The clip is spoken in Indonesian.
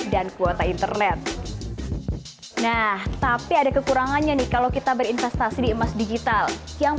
dan kuota internet nah tapi ada kekurangannya nih kalau kita berinvestasi di emas digital yang